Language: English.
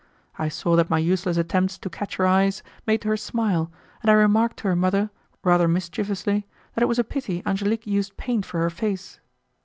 I saw that my useless attempts to catch her eyes made her smile, and I remarked to her mother, rather mischievously, that it was a pity Angelique used paint for her face.